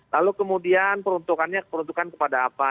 lalu kemudian peruntukannya peruntukan kepada apa